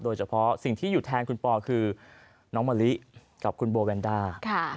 โดยเฉพาะสิ่งที่อยู่แทนคุณปอคือน้องมะลิกับคุณโบแวนด้า